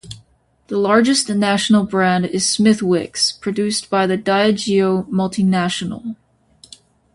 The largest national brand is Smithwick's, produced by the Diageo multinational.